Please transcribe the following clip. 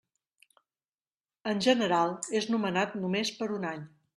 En general, és nomenat només per un any.